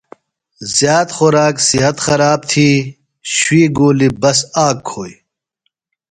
زیات خوراک صِحت خراب تھی۔ شُوئیۡ گُولیۡ بس آک کھوئیۡ۔